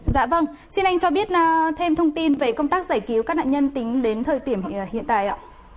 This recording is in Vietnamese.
dạ vâng xin anh cho biết thêm thông tin về công tác giải cứu các nạn nhân tính đến thời điểm hiện tại ạ